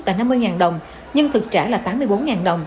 là năm mươi đồng nhưng thực trả là tám mươi bốn đồng